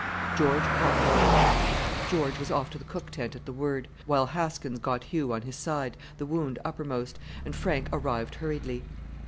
"George, hot water." George was off to the cook tent at the word, while Haskins got Hugh on his side, the wound uppermost, and Frank arrived hurriedly.